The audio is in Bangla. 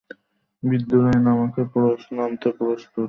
বিদ্রোহে নামতে প্রস্তুত?